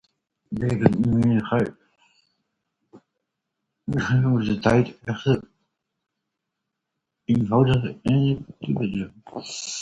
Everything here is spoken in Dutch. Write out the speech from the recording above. Deze mechanismen moeten in deze tijd echter eenvoudiger en effectiever zijn.